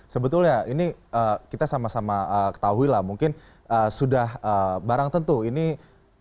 sebetulnya ini kita sama sama ketahui lah mungkin sudah barang tentu ini motivasi belajar bahasa indonesia